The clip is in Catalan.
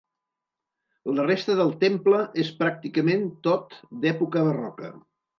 La resta del temple és pràcticament tot d'època barroca.